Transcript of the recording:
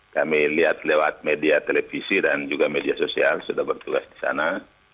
kami lihat lewat media televisi dan juga media sosial sudah bertugas di sana